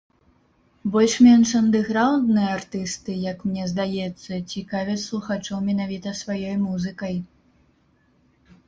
Больш-менш андэграўндныя артысты, як мне здаецца, цікавяць слухачоў менавіта сваёй музыкай.